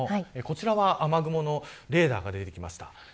こちらは雨雲のレーダーが出てきました。